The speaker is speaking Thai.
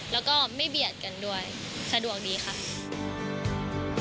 แล้วก็ไม่เบียดกันด้วยสะดวกดีค่ะ